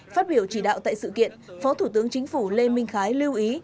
phát biểu chỉ đạo tại sự kiện phó thủ tướng chính phủ lê minh khái lưu ý